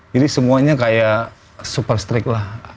jadi semuanya kayak super strict lah